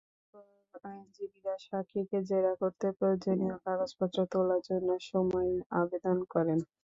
এরপর আইনজীবীরা সাক্ষীকে জেরা করতে প্রয়োজনীয় কাগজপত্র তোলার জন্য সময়ের আবেদন করেন।